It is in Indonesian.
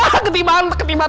ah ketibaan ketibaan